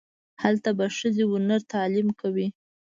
هلته به ښځې و نر تعلیم کوي.